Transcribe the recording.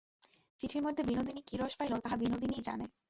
চিঠির মধ্যে বিনোদিনী কী রস পাইল, তাহা বিনোদিনীই জানে।